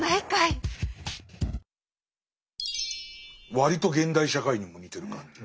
割と現代社会にも似てる感じ。